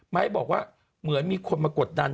บอกว่าเหมือนมีคนมากดดัน